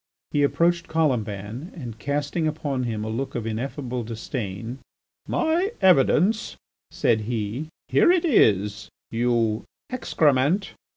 He approached Colomban and casting upon him a look of ineffable disdain: "My evidence," said he, "here it is: you excrement!"